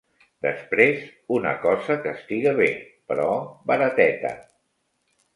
Després, una cosa que estiga bé... però barateta.